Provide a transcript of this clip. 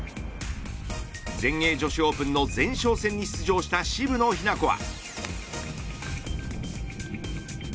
全英女子オープンの前哨戦に出場した渋野日向子は。